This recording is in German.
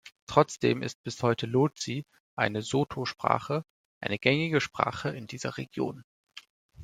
Trotzdem ist bis heute Lozi, eine Sotho-Sprache, eine gängige Sprache in dieser Region.